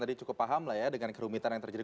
tadi cukup paham dengan kerumitan yang terjadi